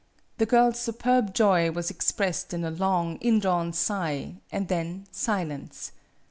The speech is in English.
The girl's superb joy was expressed in a long, indrawn sigh, and then silence.